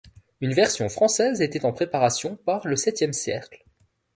Une version française était en préparation par Le Septième Cercle.